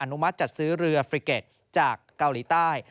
นุมัติจัดซื้อเรือฟริเก็ตจากเกาหลีใต้